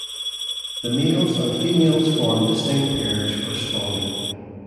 The males and females form distinct pairs for spawning.